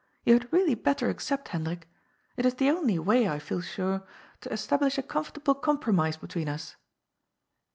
You had really better accept, Hendrik. It is the only way, I feel sure, to establish a comfortable compromise between us.